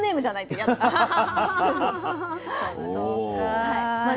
そうかあ。